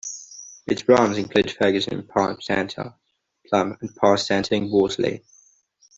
Its brands include Ferguson, Pipe Centre, Plumb and Parts Centre and Wolseley.